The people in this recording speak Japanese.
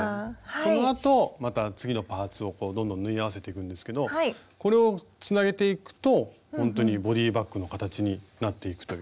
そのあとまた次のパーツをどんどん縫い合わせていくんですけどこれをつなげていくとほんとにボディーバッグの形になっていくという。